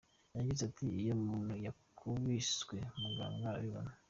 Yagize ati “Iyo umuntu yakubiswe Muganga arabibona.